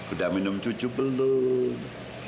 udah minum cucu belum